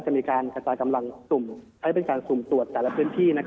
จะมีการอันตรายกำลังให้เป็นการสูมตรวจแต่ละพื้นที่